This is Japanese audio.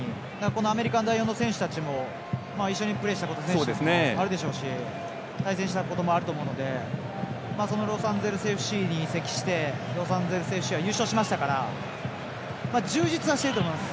このアメリカの代表の選手たちも一緒にプレーしたことあるでしょうし対戦したこともあると思うのでそのロサンゼルスＦＣに移籍して優勝しましたから充実はしていると思います。